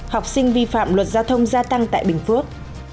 học sinh vi phạm luật giao thông gia tăng tại bình phước